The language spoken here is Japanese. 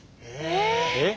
え！